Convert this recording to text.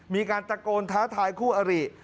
มีการตะโกนท้าทายคู่อริ